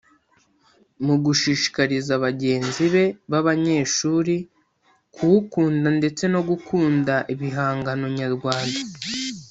mu gushishikariza bagenzi be b’abanyeshuri kuwukunda ndetse no gukunda ibihangano nyarwanda